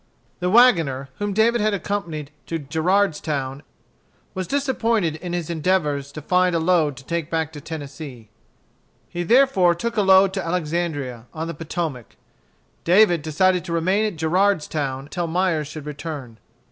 The wagoner whom David had accompanied to Gerardstown was disappointed in his endeavors to find a load to take back to Tennessee. He therefore took a load to Alexandria, on the Potomac. David decided to remain at Gerardstown until Myers should return.